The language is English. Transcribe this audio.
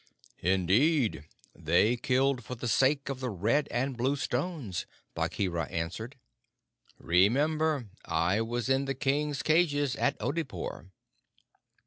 "Indeed, they killed for the sake of the red and blue stones," Bagheera answered. "Remember, I was in the King's cages at Oodeypore."